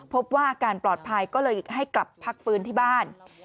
พบว่าอาการปลอดภัยก็เลยให้กลับพักฟื้นที่บ้าน